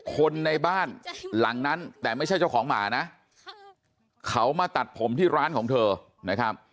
คนในบ้านหลังนั้นแต่ไม่ใช่เจ้าของหมานะเขามาตัดผมที่ร้านของเธอนะครับ